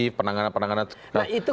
itu kan wajar saja kalau pak fadli yang bilang